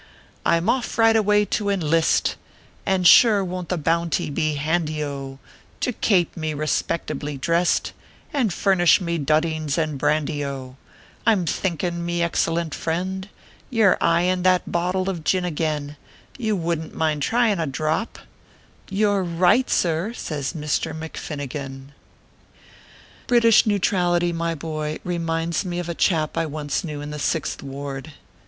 " I m off right away to enlist, And sure won t the bounty be handy 0 I To kapo mo respectably dressed And furnish me dudheens and brandy 0 1 I m thinkin , me excellent friend, Ye ro eyeing that bottle of gin again ; You wouldn t mind thryiti a drop " "You re right, sir," says Misther McFinnigan. British neutrality, my boy ; reminds me of a chap I orico knew in the Sixth Ward.